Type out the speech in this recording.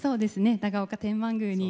長岡天満宮に。